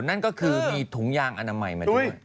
นั่นก็คือมีถุงยางอนามัยมาด้วย